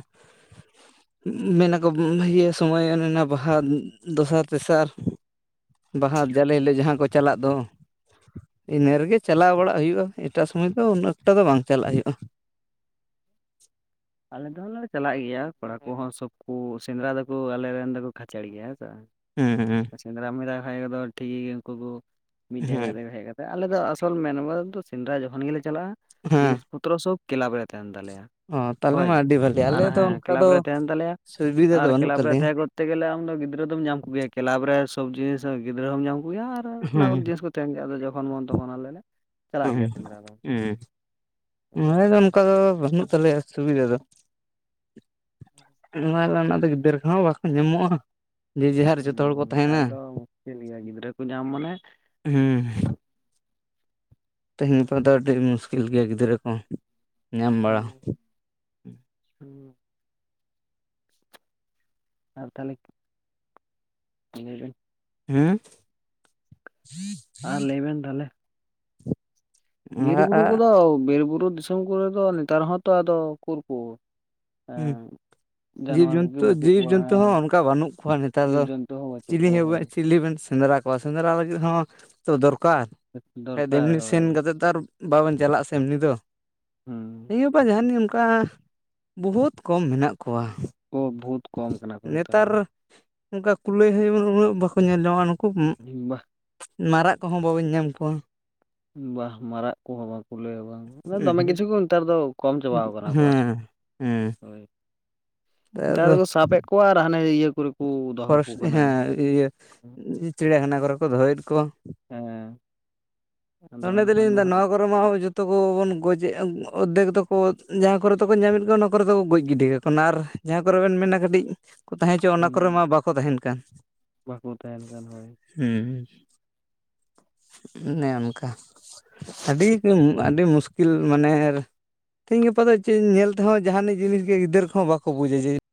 Speaker 1: ᱦᱩᱸ
Speaker 2: ᱢᱮᱱᱟᱠᱚ ᱤᱭᱟᱹ ᱥᱚᱢᱚᱭ ᱚᱱᱮᱱᱟ ᱵᱟᱦᱟ ᱫᱚᱥᱟᱨ ᱛᱮᱥᱟᱨ᱾ ᱵᱟᱦᱟ ᱡᱟᱞᱮ
Speaker 1: ᱦᱩᱸ
Speaker 2: ᱦᱤᱞᱳᱜ ᱡᱟᱦᱟᱸ ᱠᱚ ᱪᱟᱞᱟᱜ᱾ ᱫᱚ ᱤᱱᱟᱹ ᱨᱮᱜᱮ ᱪᱟᱞᱟᱣ ᱵᱟᱲᱟᱜ ᱦᱩᱭᱩᱜᱼᱟ ᱮᱴᱟᱜ ᱥᱚᱢᱚᱭ ᱫᱚ ᱩᱱᱟᱹᱜ ᱮᱠᱴᱟ ᱫᱚ ᱵᱟᱝ ᱪᱟᱞᱟᱜ ᱦᱩᱭᱩᱜᱼᱟ᱾
Speaker 1: ᱟᱞᱮ ᱫᱚᱞᱮ ᱪᱟᱞᱟᱜ ᱜᱮᱭᱟ ᱠᱚᱲᱟ ᱠᱚᱦᱚᱸ ᱥᱚᱵ ᱠᱚ ᱥᱮᱸᱫᱽᱨᱟ ᱫᱚᱠᱚ ᱟᱞᱮᱨᱮ ᱨᱮᱱ ᱫᱚᱠᱚ ᱠᱷᱟᱪᱟᱲ ᱜᱮᱭᱟ ᱦᱮᱸ ᱥᱮ ᱵᱟᱝ᱾
Speaker 2: ᱦᱩᱸᱻ᱾
Speaker 1: ᱥᱮᱸᱫᱽᱨᱟ ᱢᱮᱛᱟ ᱠᱚ ᱠᱷᱟᱡ ᱫᱚ ᱴᱷᱤᱠ ᱜᱮ ᱩᱱᱠᱩ ᱠᱚ ᱢᱤᱫ ᱡᱟᱭᱜᱟ
Speaker 2: ᱦᱮᱸ
Speaker 1: ᱨᱮ ᱦᱮᱡ ᱠᱟ ᱟᱞᱮ ᱫᱚ ᱟᱥᱚᱞ ᱢᱮᱱᱣᱟᱞ ᱫᱚ ᱥᱮᱸᱫᱽᱨᱟ ᱡᱚᱠᱷᱚᱱ ᱜᱮᱞᱮ ᱪᱟᱞᱟᱜᱼᱟ
Speaker 2: ᱦᱮᱸ
Speaker 1: ᱡᱤᱱᱤᱥ ᱯᱚᱛᱨᱚ ᱥᱚᱵ ᱠᱮᱞᱟᱵᱽ ᱨᱮ ᱛᱟᱦᱮᱱ ᱛᱟᱞᱮᱭᱟ᱾
Speaker 2: ᱚ ᱛᱟᱦᱚᱞᱮ
Speaker 1: ᱦᱳᱭ
Speaker 2: ᱢᱟ ᱟᱹᱰᱤ ᱵᱷᱟᱞᱮ
Speaker 1: ᱟᱨ
Speaker 2: ᱟᱞᱮ ᱫᱚ
Speaker 1: ᱦᱮᱸ
Speaker 2: ᱚᱱᱠᱟ
Speaker 1: ᱠᱮᱞᱟᱵᱽ
Speaker 2: ᱫᱚ
Speaker 1: ᱨᱮ ᱛᱟᱦᱮᱱ ᱛᱟᱞᱮᱭᱟ
Speaker 2: ᱥᱩᱵᱤᱫᱷᱟ
Speaker 1: ᱟᱨ
Speaker 2: ᱫᱚ ᱵᱟᱹᱱᱩᱜ
Speaker 1: ᱠᱮᱞᱟᱵᱽ ᱨᱮ
Speaker 2: ᱛᱟᱞᱮᱭᱟ
Speaker 1: ᱛᱟᱦᱮᱸ ᱠᱚᱛᱮ ᱜᱮᱞᱮ ᱟᱢ ᱫᱚ ᱜᱤᱫᱽᱨᱟᱹ ᱫᱚᱢ ᱧᱟᱢ ᱠᱚᱜᱮᱭᱟ ᱠᱮᱞᱟᱵᱽ ᱨᱮ ᱥᱚᱵ ᱡᱤᱱᱤᱥ ᱜᱤᱫᱽᱨᱟᱹ ᱦᱚᱸᱢ ᱧᱟᱢ ᱠᱚᱜᱮᱭᱟ ᱟᱨ ᱚᱱᱟ ᱠᱚ
Speaker 2: ᱦᱮᱸ
Speaker 1: ᱡᱤᱱᱤᱥ ᱴᱮᱱᱜᱮ ᱡᱚᱠᱷᱚᱱ ᱢᱚᱱ ᱛᱚᱠᱷᱚᱱ ᱟᱞᱮ ᱞᱮ ᱪᱟᱞᱟᱜ ᱜᱮᱭᱟ ᱥᱮᱸᱫᱽᱨᱟ
Speaker 2: [unintelligible]
Speaker 1: ᱫᱚ
Speaker 2: ᱟᱞᱮ ᱫᱚ ᱚᱱᱠᱟ ᱫᱚ ᱵᱟᱹᱱᱩᱜ ᱛᱟᱞᱮᱭᱟ ᱥᱩᱵᱤᱫᱟ ᱫᱚ᱾ ᱚᱱᱟ ᱫᱚ ᱩᱱᱟᱹᱜ ᱫᱚ ᱜᱤᱫᱽᱨᱟᱹ ᱠᱚ ᱦᱚᱸ ᱵᱟᱠᱚ ᱧᱟᱢᱚᱜ-ᱟ᱾ ᱡᱮ ᱡᱮᱦᱟᱨ ᱡᱚᱛᱚ ᱦᱚᱲ ᱠᱚ ᱛᱟᱦᱮᱸᱱᱟ
Speaker 1: ᱱᱮᱛᱟᱨ ᱫᱚ ᱢᱩᱥᱠᱤᱞ ᱜᱮᱭᱟ ᱜᱤᱫᱽᱨᱟᱹ ᱠᱚ ᱧᱟᱢ ᱢᱟᱱᱮ
Speaker 2: ᱦᱮᱸ᱾ ᱛᱮᱦᱮᱸᱧ ᱜᱟᱯᱟ ᱫᱚ ᱟᱹᱰᱤ ᱢᱩᱥᱠᱤᱞ ᱜᱮᱭᱟ ᱜᱤᱫᱽᱨᱟᱹ ᱠᱚ, ᱧᱟᱢ ᱵᱟᱲᱟ᱾
Speaker 1: ᱦᱩᱸ ᱟᱨ ᱛᱟᱦᱚᱸᱞᱮ᱾ [unintelligible]
Speaker 2: ᱦᱮᱸ [inaudible]
Speaker 1: ᱟᱨ ᱞᱟᱹᱭ ᱵᱮᱱ ᱛᱟᱦᱚᱸᱞᱮ?
Speaker 2: ᱟᱨ
Speaker 1: ᱵᱤᱨ-ᱵᱩᱨᱩ ᱠᱚᱫᱚ ᱵᱤᱨ-ᱵᱩᱨᱩ ᱫᱤᱥᱚᱢ ᱠᱚᱨᱮ ᱫᱚ ᱱᱮᱛᱟᱨ ᱦᱚᱸᱛᱚ ᱟᱫᱚ ᱩᱠᱩᱨ ᱠᱚ?
Speaker 2: ᱦᱩᱸ᱾
Speaker 1: ᱡᱟᱱᱣᱟᱨ ᱠᱚᱜᱮ
Speaker 2: ᱡᱤᱵᱽ-ᱡᱩᱱᱛᱩ
Speaker 1: ᱵᱟᱹᱪᱩᱜ ᱠᱚᱣᱟ
Speaker 2: ᱡᱤᱵᱽ-ᱡᱩᱱᱛᱩ ᱦᱚᱸ
Speaker 1: ᱦᱮᱸ
Speaker 2: ᱚᱱᱠᱟ ᱵᱟᱹᱱᱩᱜ ᱠᱚᱣᱟ ᱱᱮᱛᱟᱨ ᱫᱚ,
Speaker 1: ᱡᱤᱵᱽ ᱡᱚᱱᱛᱩ ᱦᱚᱸ ᱵᱟᱹᱪᱩᱜ
Speaker 2: ᱪᱤᱞᱤ
Speaker 1: ᱠᱚᱣᱟ
Speaker 2: ᱦᱚᱸ
Speaker 1: ᱦᱳᱭ
Speaker 2: ᱪᱤᱞᱤ ᱵᱮᱱ ᱥᱮᱸᱫᱽᱨᱟ ᱠᱚᱣᱟ ᱥᱮᱸᱫᱽᱨᱟ ᱞᱟᱹᱜᱤᱫ ᱦᱚᱸ ᱛᱚ ᱫᱚᱨᱠᱟᱨ ᱫᱤᱱ
Speaker 1: ᱫᱚᱨᱠᱟᱨ ᱦᱳᱭ
Speaker 2: ᱥᱤᱱ ᱠᱟᱛᱮᱸᱫ ᱛᱚ ᱟᱨ ᱵᱟᱵᱚᱱ ᱪᱟᱞᱟᱜ-ᱟ ᱥᱮ ᱮᱢᱱᱤ ᱫᱚ,
Speaker 1: ᱦᱩᱸ
Speaker 2: ᱛᱮᱦᱮᱸᱧ ᱜᱟᱯᱟ ᱡᱟᱦᱟᱱᱤᱡ ᱚᱱᱠᱟ᱾ ᱵᱚᱦᱩᱛ ᱠᱚᱢ ᱢᱮᱱᱟᱜ ᱠᱚᱣᱟ᱾
Speaker 1: ᱠᱚ ᱵᱷᱩᱛ᱾
Speaker 2: ᱱᱮᱛᱟᱨ ᱚᱱᱠᱟ ᱠᱩᱞᱟᱹᱭ ᱦᱚᱸ ᱡᱮᱢᱚᱱ ᱩᱱᱟᱹᱜ ᱵᱟᱠᱚ ᱧᱮᱞ ᱧᱟᱢ-ᱟ ᱱᱩᱠᱩ᱾
Speaker 1: [unintelligible]
Speaker 2: ᱢᱟᱨᱟᱜ ᱠᱚᱦᱚᱸ ᱵᱟᱵᱚᱱ ᱧᱟᱢ ᱠᱚᱣᱟ᱾
Speaker 1: ᱵᱟ ᱢᱟᱨᱟᱜ ᱠᱚᱦᱚᱸ ᱵᱟ ᱠᱩᱞᱟᱹᱭ ᱦᱚᱸ ᱵᱟᱝ ᱫᱚᱢᱮ
Speaker 2: ᱩᱸᱦᱩᱜ
Speaker 1: ᱠᱤᱪᱷᱩ ᱠᱚ ᱱᱮᱛᱟᱨ ᱫᱚ ᱠᱚᱢ ᱪᱟᱵᱟᱣ ᱟᱠᱟᱱᱟ ᱠᱚ᱾
Speaker 2: ᱦᱮᱸ ᱦᱮᱸ᱾
Speaker 1: ᱦᱳᱭ ᱱᱮᱛᱟᱨ
Speaker 2: ᱟᱫᱚ
Speaker 1: ᱫᱚ ᱠᱚ ᱥᱟᱵᱮᱫ ᱠᱚᱣᱟ ᱟᱨ ᱦᱟᱱᱮ ᱤᱭᱟᱹ ᱠᱚᱨᱮ᱾ ᱠᱚ ᱫᱚᱦᱚ
Speaker 2: ᱯᱷᱚᱨᱮᱥ
Speaker 1: ᱠᱟᱠᱚ ᱠᱟᱱᱟ
Speaker 2: ᱦᱮᱸ, ᱤᱭᱟᱹ ᱪᱤᱲᱭᱟᱠᱷᱟᱱᱟ ᱠᱚᱨᱮ ᱠᱚ ᱫᱚᱦᱚᱭᱮᱫ ᱠᱚᱣᱟ᱾
Speaker 1: ᱦᱮᱸ
Speaker 2: [unintelligible]
Speaker 1: ᱟᱫᱚ ᱮᱱᱠᱷᱟᱱ ᱫᱚ ᱦᱟᱸᱜ
Speaker 2: ᱱᱚᱣᱟ ᱠᱚ᱾ ᱢᱟ ᱡᱚᱛᱚ ᱠᱚ ᱵᱚᱱ ᱜᱚᱡᱮ ᱟ [unintelligible] ᱚᱨᱫᱷᱮᱠ ᱫᱚᱠᱚ ᱡᱟᱦᱟᱸ ᱠᱚᱨᱮ ᱫᱚᱠᱚ ᱧᱟᱢᱮᱫ ᱠᱚᱣᱟ ᱚᱱᱟ ᱠᱚᱨᱮ ᱫᱚᱠᱚ ᱜᱚᱡ ᱜᱤᱰᱤ ᱠᱟᱠᱚ ᱚᱱᱟᱨ ᱡᱟᱦᱟᱸ ᱠᱚᱨᱮ ᱵᱮᱱ ᱢᱮᱱᱟ ᱠᱟᱹᱴᱤᱡ ᱠᱚ ᱛᱟᱦᱮᱸ ᱦᱚᱪᱚ
Speaker 1: ᱦᱩᱸ ᱵᱟᱠᱚ ᱛᱟᱦᱮᱸᱱ ᱠᱷᱟᱱ ᱦᱳᱭ᱾
Speaker 2: ᱦᱩᱸ ᱚᱱᱮ ᱚᱱᱠᱟ᱾ ᱟᱹᱰᱤ ᱟᱹᱰᱤ ᱢᱩᱥᱠᱤᱞ ᱢᱟᱱᱮ ᱛᱤᱦᱤᱧ ᱜᱟᱯᱟ ᱫᱚ ᱪᱮᱫ ᱧᱮᱞ ᱛᱮᱦᱚᱸ ᱡᱟᱦᱟᱱᱤᱡ ᱡᱤᱱᱤᱥ ᱜᱮ ᱜᱤᱫᱟᱹᱨ ᱠᱚᱦᱚᱸ ᱵᱟᱠᱚ ᱵᱩᱡᱟ ᱡᱮ᱾